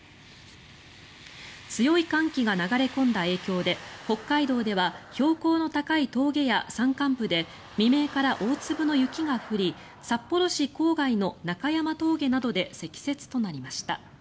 強い寒気が流れ込んだ影響で北海道では標高の高い峠や山間部で未明から大粒の雪が降り札幌市郊外の中山峠などで積雪となりました。